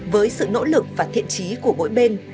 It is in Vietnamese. với sự nỗ lực và thiện trí của mỗi bên